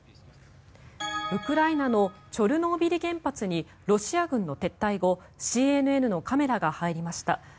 ウクライナのチョルノービリ原発にロシア軍の撤退後ＣＮＮのカメラが入りました。